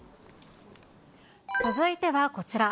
続いてはこちら。